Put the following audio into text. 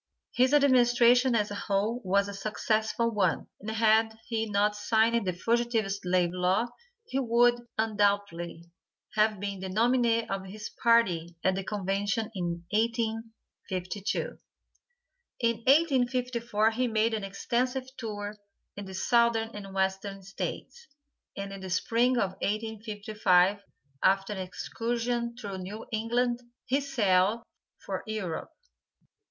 His administration, as a whole, was a successful one, and had he not signed the fugitive slave law, he would, undoubtedly, have been the nominee of his party at the convention in 1852. In 1854 he made an extensive tour in the Southern and Western States, and in the Spring of 1855, after an excursion through New England, he sailed for Europe.